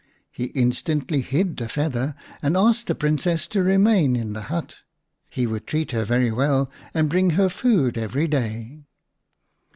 He instantly hid the feather, and asked the Princess to remain in the hut. He would treat her well and bring her food every day.